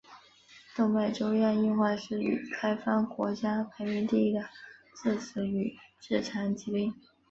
动脉粥样硬化是已开发国家排名第一的致死与致残疾病。